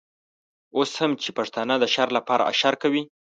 اوس هم چې پښتانه د شر لپاره اشر کوي.